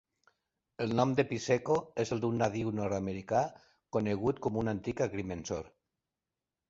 El nom de "Piseco" és el d'un nadiu nord-americà conegut com un antic agrimensor.